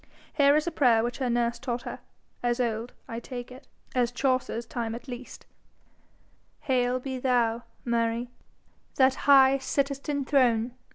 Here is a prayer which her nurse taught her, as old, I take it, as Chaucer's time at least: Hail be thou, Mary, that high sittest in throne!